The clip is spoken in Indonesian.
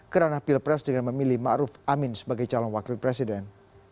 kerana pilpres dengan memilih ⁇ maruf ⁇ amin sebagai calon wakil presiden